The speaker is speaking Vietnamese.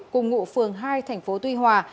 cùng ngụ phường hai tp tuy hòa